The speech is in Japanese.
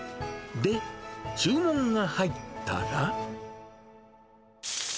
で、注文が入ったら。